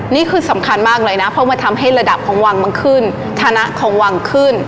นี่คือสำคัญมากเลยนะเพราะมันทำให้ระดับของวังมันขึ้นฐานะของวังขึ้น